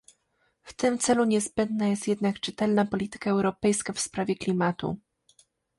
W tym celu niezbędna jest jednak czytelna polityka europejska w sprawie klimatu